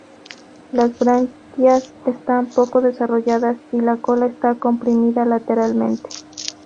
Las branquias están poco desarrolladas y la cola está comprimida lateralmente.